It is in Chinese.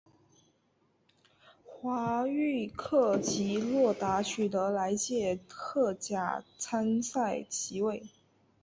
华域克及洛达取得来届荷甲参赛席位。